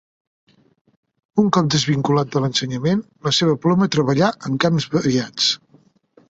Un cop desvinculat de l'ensenyament, la seva ploma treballà en camps variats.